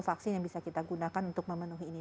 vaksin yang bisa kita gunakan untuk memenuhi ini